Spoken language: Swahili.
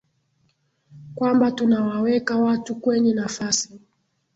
kwamba tunawaweka watu kwenye nafasi